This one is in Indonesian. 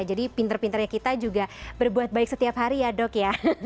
jadi pinter pinternya kita juga berbuat baik setiap hari ya dok ya